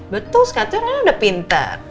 betul sekatnya rena udah pinter